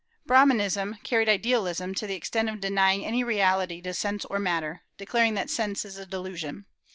Brahmanism carried idealism to the extent of denying any reality to sense or matter, declaring that sense is a delusion.